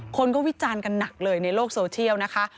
คนก็วิจารณ์กันหนักเลยในโลกโซเชียลนะคะ